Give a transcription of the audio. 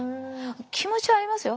気持ちはありますよ